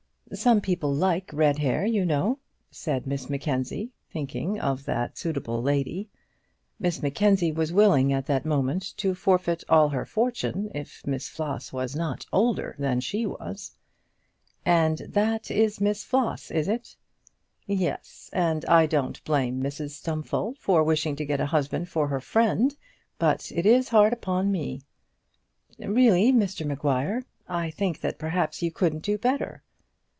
"Some people like red hair, you know," said Miss Mackenzie, thinking of the suitable lady. Miss Mackenzie was willing at that moment to forfeit all her fortune if Miss Floss was not older than she was! "And that is Miss Floss, is it?" "Yes, and I don't blame Mrs Stumfold for wishing to get a husband for her friend, but it is hard upon me." "Really, Mr Maguire, I think that perhaps you couldn't do better."